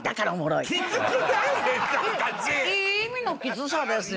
いい意味のきつさですよ。